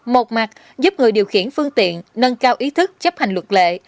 một mặt giúp người điều khiển phương tiện nâng cao ý thức chấp hành luật lệ